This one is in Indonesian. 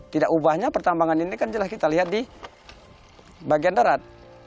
tidak ubahnya pertambangan ini kan jelas kita lihat di bagian darat